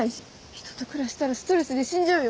人と暮らしたらストレスで死んじゃうよ。